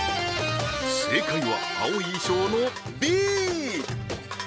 正解は青い衣装のＢ